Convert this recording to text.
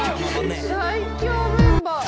最強メンバー。